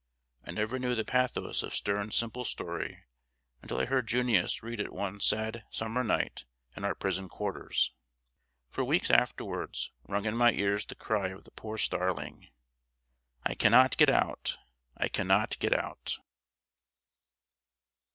I never knew the pathos of Sterne's simple story until I heard "Junius" read it one sad Summer night in our prison quarters. For weeks afterward rung in my ears the cry of the poor starling: "I can't get out! I can't get out!"